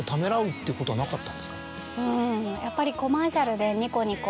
うんやっぱり。